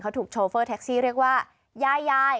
เขาถูกโชเฟอร์แท็กซี่เรียกว่ายายยาย